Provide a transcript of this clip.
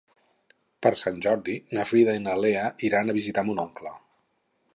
Per Sant Jordi na Frida i na Lea iran a visitar mon oncle.